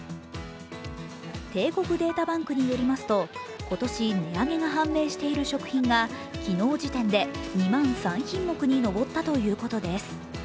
帝国データバンクによりますと、今年値上げが判明している食品が昨日時点で２万３品目に上ったということです。